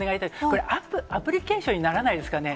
これ、アプリケーションにならないですかね？